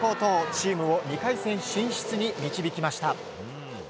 チームを２回戦進出に導きました。